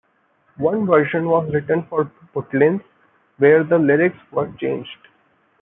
One version was written for Butlins, where the lyrics were changed.